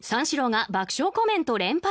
「三四郎が爆笑コメント連発！」